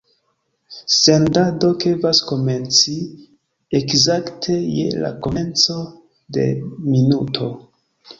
Sendado devas komenci ekzakte je la komenco de minuto.